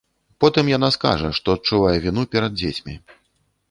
Потым яна скажа, што адчувае віну перад дзецьмі.